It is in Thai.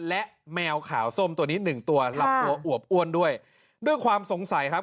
และแมวขาวส้มตัวนี้หนึ่งตัวลำตัวอวบอ้วนด้วยด้วยความสงสัยครับ